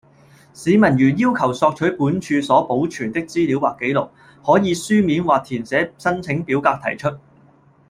市民如要求索取本署所保存的資料或紀錄，可以書面或填寫申請表格提出